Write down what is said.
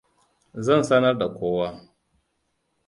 Zan sanar da kowa.